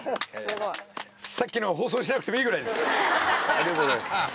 ありがとうございます。